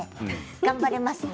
頑張れますね。